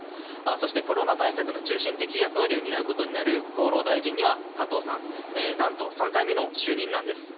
そして、コロナ対策の中心的役割を担うことになる厚労大臣には加藤さんなんと、３回目の就任なんです。